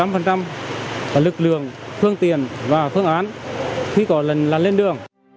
và lực lượng phương tiện và phương án khi có lần là lên đường